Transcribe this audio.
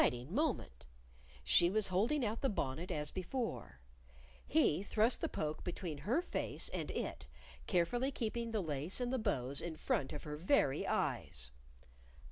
_ It was an exciting moment! She was holding out the bonnet as before. He thrust the poke between her face and it, carefully keeping the lace and the bows in front of her very eyes.